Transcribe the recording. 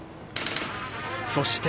［そして］